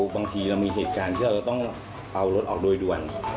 บางทีเรามีเหตุการณ์ที่เราต้องเอารถออกโดยด่วน